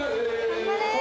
頑張れ。